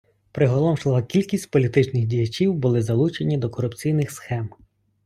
Приголомшлива кількість політичних діячів були залучені до корупційних схем.